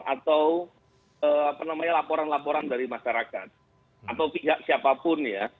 atau laporan laporan dari masyarakat atau pihak siapapun ya